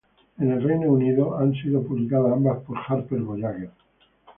En el Reino Unido han sido publicadas ambas por Harper Voyager.